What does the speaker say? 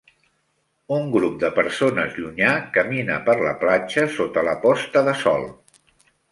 Un grup de persones llunyà camina per la platja sota la posta de sol.